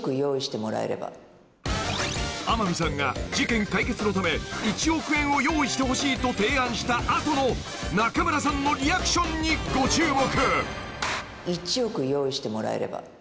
［天海さんが事件解決のため１億円を用意してほしいと提案した後の仲村さんのリアクションにご注目］